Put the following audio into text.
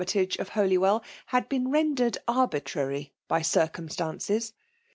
Armytage^ of HolywcD, had bfccn rend^ed arbitrary by circumstances.